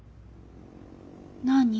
何？